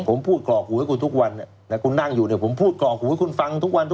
ผมพูดกรอกหูให้คุณทุกวันเนี่ยนะคุณนั่งอยู่เนี่ยผมพูดกรอกหูให้คุณฟังทุกวัน